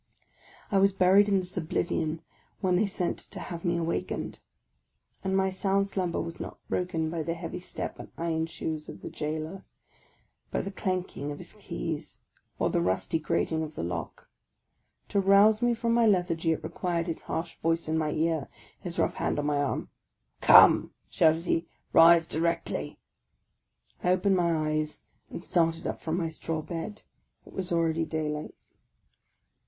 I was buried in this oblivion when they sent to have me awakened, and my sound slumber was not broken by the heavy step and iron shoes of the jailor, by the clanking of his keys, or the rusty grating of the lock ; to rouse me from my lethargy it required his harsh .voice in my ear, his rough hand on my arm. " Come," shouted he, " rise directly !" I opened my eyes, and started up from my straw bed: it was already daylight.